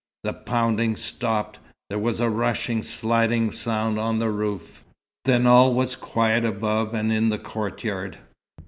The pounding stopped. There was a rushing, sliding sound on the roof. Then all was quiet above and in the courtyard.